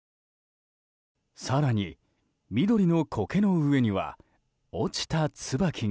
更に、緑のコケの上には落ちたツバキが。